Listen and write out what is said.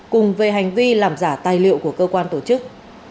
cùng về hành vi làm giả tài liệu của cơ quan tổ chức